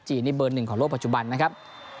นี่เบอร์หนึ่งของโลกปัจจุบันนะครับ